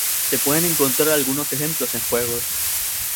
Se pueden encontrar algunos ejemplos en juegos.